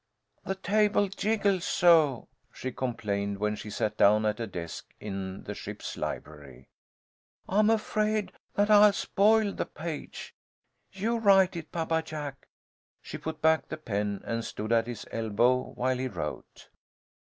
"The table jiggles so!" she complained, when she sat down at a desk in the ship's library. "I'm afraid that I'll spoil the page. You write it, Papa Jack." She put back the pen, and stood at his elbow while he wrote.